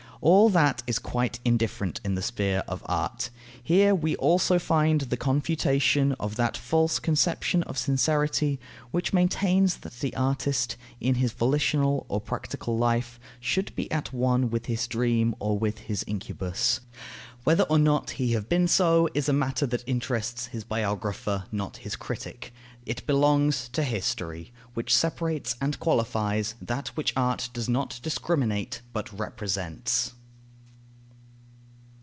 All that is quite indifferent in the sphere of art. Here we also find the confutation of that false conception of sincerity, which maintains that the artist, in his volitional or practical life, should be at one with his dream, or with his incubus. Whether or no he have been so, is a matter that interests his biographer, not his critic; it belongs to history, which separates and qualifies that which art does not discriminate, but represents.